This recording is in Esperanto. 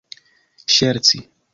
ŝerci